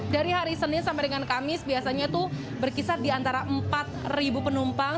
dari hari senin sampai dengan kamis biasanya itu berkisar di antara empat penumpang